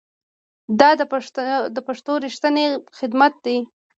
دا د پښتو ریښتینی خدمت دی.